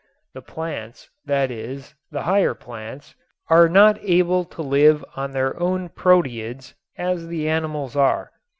The plants, that is, the higher plants, are not able to live on their own proteids as the animals are.